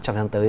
trong năm tới